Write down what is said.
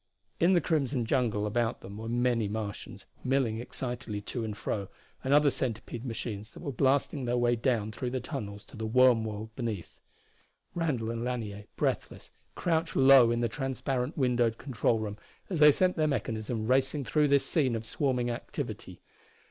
In the crimson jungle about them were many Martians, milling excitedly to and fro, and other centipede machines that were blasting their way down through tunnels to the worm world beneath. Randall and Lanier, breathless, crouched low in the transparent windowed control room as they sent their mechanism racing through this scene of swarming activity.